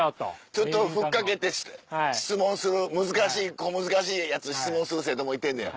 ちょっと吹っかけて質問する難しい小難しいやつ質問する生徒もいてんねや。